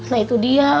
nah itu dia